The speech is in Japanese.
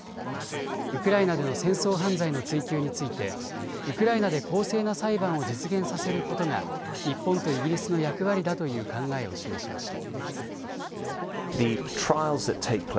ウクライナでの戦争犯罪の追及についてウクライナで公正な裁判を実現させることが日本とイギリスの役割だという考えを示しました。